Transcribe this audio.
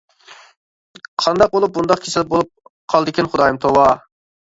قانداق بولۇپ بۇنداق كېسەل بولۇپ قالدىكىن خۇدايىم توۋا.